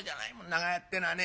長屋ってのはね。